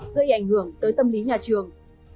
gây ảnh hưởng tới tâm lý nhà trường